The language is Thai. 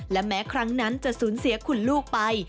และแม้ครั้งนั้นจะสูญเสียคุณลูกไป